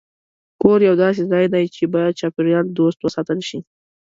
کور یو داسې ځای دی چې باید چاپېریال دوست وساتل شي.